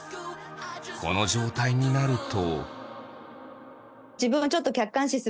この状態になると。